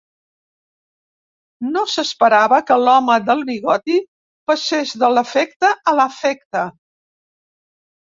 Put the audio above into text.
No s'esperava que l'home del bigoti passés de l'efecte a l'afecte.